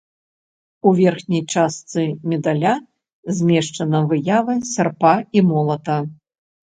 У верхняй частцы медаля змешчана выява сярпа і молата.